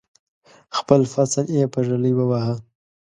خپل فصل یې په ږلۍ وواهه.